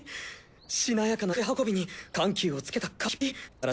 しなやかな筆運びに緩急をつけた書きっぷり。